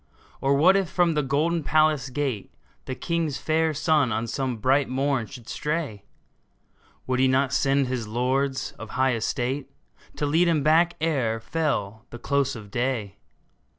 Or what if from the golden palace gate The king's fair son on some bright morn should stray ? Would he not send his lords of high estate To lead him back ere fell the close of day